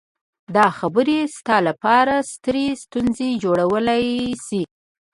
دا خبرې ستا لپاره سترې ستونزې جوړولی شي